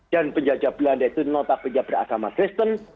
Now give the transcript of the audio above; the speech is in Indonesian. dan penjajah belanda itu notabene beragama kristen